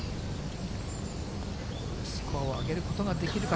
スコアを上げることができるか。